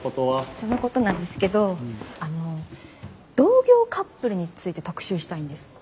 そのことなんですけどあの同業カップルについて特集したいんです。